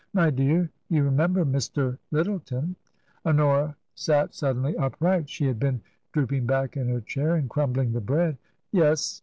" My dear ! You remember Mr. Lyttleton ?" Honora sat suddenly upright. She had been droop ing back in her chair and crumbling the bread. " Yes